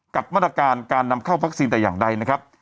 กับมาตรการการนำเข้าวัคซีนแต่อย่างใดนะครับ